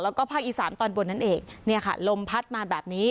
แล้วก็ภาคอีสานตอนบนนั่นเองเนี่ยค่ะลมพัดมาแบบนี้